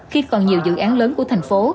khi còn nhiều dự án lớn của thành phố